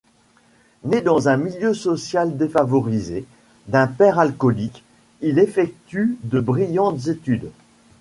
Né dans un milieu social défavorisé, d'un père alcoolique, il effectue de brillantes études.